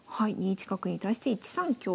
２一角に対して１三香。